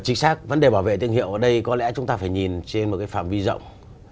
chính xác vấn đề bảo vệ thương hiệu ở đây có lẽ chúng ta phải nhìn trên một phạm vi rộng